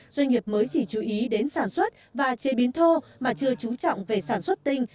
chế biến sản xuất và chế biến thô mà chưa trú trọng về sản xuất tinh